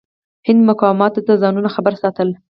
هند مقاماتو ځانونه خبر ساتل.